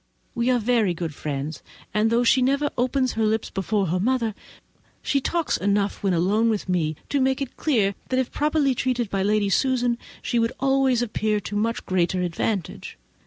We are very good friends, and though she never opens her lips before her mother, she talks enough when alone with me to make it clear that, if properly treated by Lady Susan, she would always appear to much greater advantage.